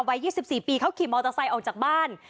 วัย๒๔ปีเขาขี่มอเตอร์ไซค์ออกจากบ้าน